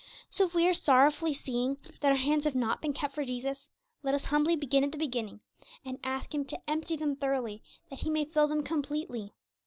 So if we are sorrowfully seeing that our hands have not been kept for Jesus, let us humbly begin at the beginning, and ask Him to empty them thoroughly, that He may fill them completely.